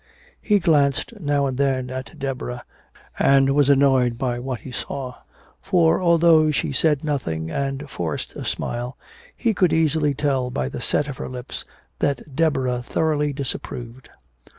He glanced now and then at Deborah and was annoyed by what he saw. For although she said nothing and forced a smile, he could easily tell by the set of her lips that Deborah thoroughly disapproved.